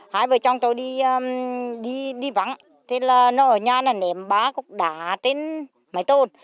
hai vợ chồng tôi đi vắng thế là nó ở nhà nèm bá cục đá đến mái tôn